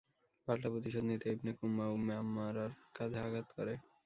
পাল্টা প্রতিশোধ নিতে ইবনে কুময়া উম্মে আম্মারার কাঁধে আঘাত করে।